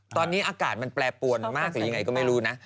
ตอนนี้อากาศมันแปรปวนมากหรือยังไงก็ไม่รู้นะ